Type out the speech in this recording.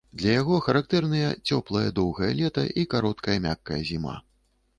Для яго характэрныя цёплае доўгае лета і кароткая мяккая зіма.